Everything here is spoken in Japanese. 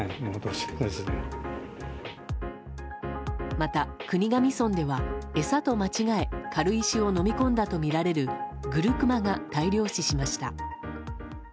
また、国頭村では餌と間違え軽石を飲み込んだとみられるグルクマが大量死しました。